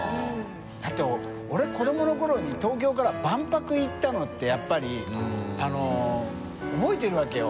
だって俺子どもの頃に東京から万博行ったのってやっぱり覚えてるわけよ